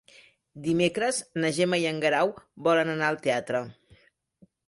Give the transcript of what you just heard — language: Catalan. Dimecres na Gemma i en Guerau volen anar al teatre.